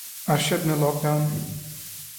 ارشد نے lock down